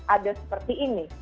ada seperti ini